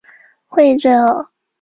会议最后